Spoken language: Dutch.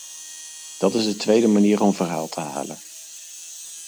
Dat is de tweede manier om verhaal te halen.